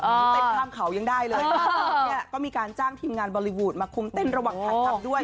อ่าตั้งของเขายังได้เลยพอก็มีการจ้างทีมงานบอลลีวูดมาคุมเต้นระหว่างทันท่ำด้วย